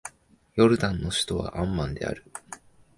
ヨルダンの首都はアンマンである